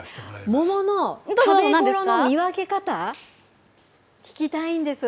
桃の食べごろの見分け方、聞きたいんです。